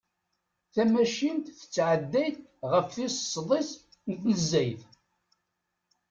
Tamacint tettɛedday-d ɣef tis sḍis n tnezzayt.